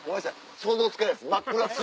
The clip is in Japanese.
想像つかないです